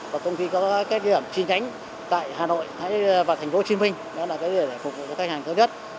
và công ty có các điểm chi nhánh tại hà nội và thành phố hồ chí minh đó là cái để phục vụ các khách hàng cơ nhất